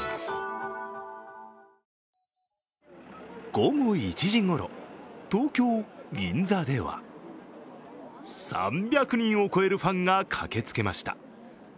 午後１時ごろ、東京・銀座では３００人を超えるファンが駆けつけました。